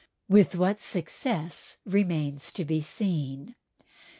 With what success remains to be seen.